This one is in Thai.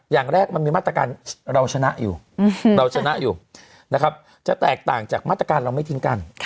อย่างแรกมันมีมาตรการเราชนะอยู่จะแตกต่างจากมาตรการเราไม่ทิ้งกัน